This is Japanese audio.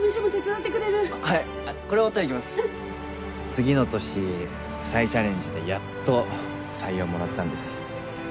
次の年再チャレンジでやっと採用もらったんです。